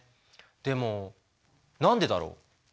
でも何でだろう？